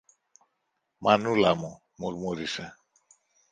Μανούλα μου. μουρμούρισε.